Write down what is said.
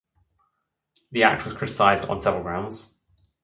The act was criticized on several grounds.